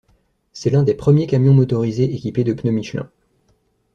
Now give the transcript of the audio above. C'est l'un des premiers camions motorisés équipés de pneus Michelin.